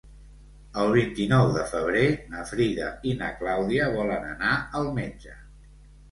El vint-i-nou de febrer na Frida i na Clàudia volen anar al metge.